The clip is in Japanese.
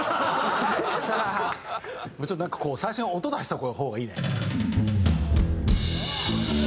ちょっとなんかこう最初に音出しておく方がいいね。